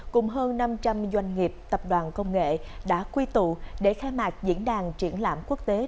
cùng hơn năm trăm linh doanh nghiệp tập đoàn công nghệ đã quy tụ để khai mạc diễn đàn triển lãm quốc tế